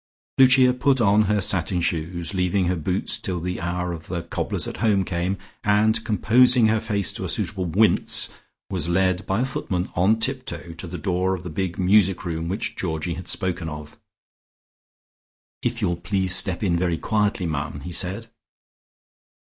Lucia put on her satin shoes, leaving her boots till the hour of the cobbler's at home came, and composing her face to a suitable wince was led by a footman on tiptoe to the door of the big music room which Georgie had spoken of. "If you'll please to step in very quietly, ma'am," he said.